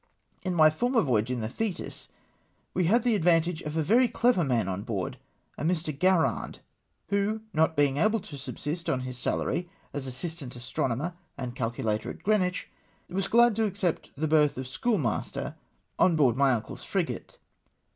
In my former voyage in the TJietis we had the ad vantage of a very clever man on board — a ]\ii\ Garrard — who not being able to subsist on his salary as assistant astronomer and calculator at Greenwich, was glad to accept the berth of schoolmaster on board my uncle's N 4 184 THE PALLAS AT HALIF.VX. frigate.